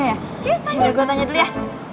yaudah gue tanya dulu ya